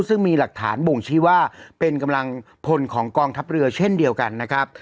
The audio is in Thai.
ซึ่งมีหลักฐานบ่งชี้ว่าเป็นกำลังพลของกองทัพเรือเช่นเดียวกันนะครับ